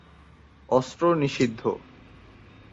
অস্ত্র নিষিদ্ধ।